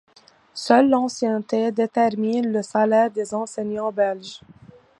Seule l'ancienneté détermine le salaire des enseignants belges.